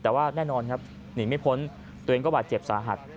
แต่ว่าแน่นอนครับหนีไม่พ้นตัวเองก็บาดเจ็บสาหัส